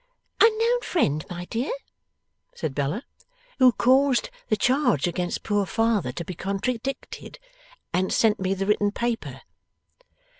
'Unknown friend, my dear?' said Bella. 'Who caused the charge against poor father to be contradicted, and sent me the written paper.